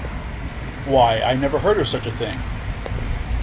Why, I never heard of such a thing!